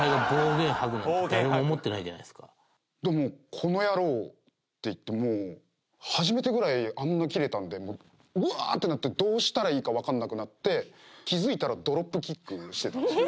「この野郎！」って言って初めてぐらいあんなキレたんでもううわー！ってなってどうしたらいいかわかんなくなって気付いたらドロップキックしてたんですよ。